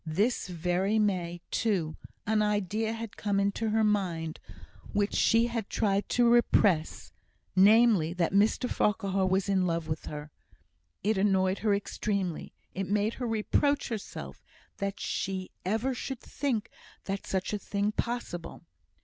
This very May, too, an idea had come into her mind, which she had tried to repress namely, that Mr Farquhar was in love with her. It annoyed her extremely; it made her reproach herself that she ever should think such a thing possible.